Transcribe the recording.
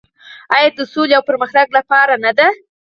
آیا د سولې او پرمختګ لپاره نه ده؟